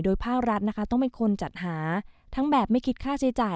ภาครัฐนะคะต้องเป็นคนจัดหาทั้งแบบไม่คิดค่าใช้จ่าย